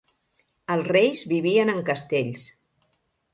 Els reis vivien en castells.